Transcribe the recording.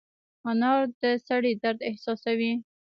انا د سړي درد احساسوي